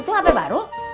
itu hp baru